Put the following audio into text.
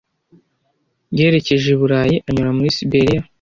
Yerekeje i Burayi anyura muri Siberiya.